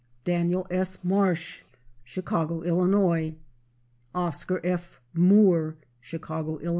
Daniel S. Marsh, Chicago, Ill. Oscar F. Moore, Chicago, Ill.